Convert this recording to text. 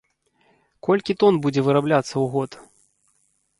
Колькі тон будзе вырабляцца ў год?